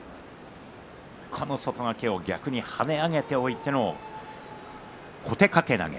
外掛けを逆に跳ね上げておいての小手掛け投げ。